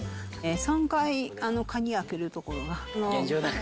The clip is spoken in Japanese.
３回、鍵開けるところがあって。